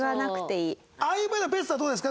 ああいう場合のベストはどうですか？